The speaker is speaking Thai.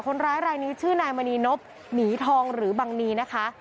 คนร้ายรายนี้ชื่อนายมณีนบหมีทองหรือบังนีนะคะ